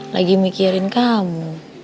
lagi mikirin kamu